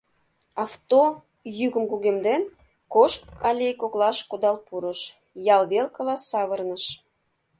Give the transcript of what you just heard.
Авто, йӱкым кугемден, кож аллей коклаш кудал пурыш, ял велкыла савырныш.